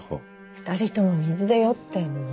２人とも水で酔ってんの？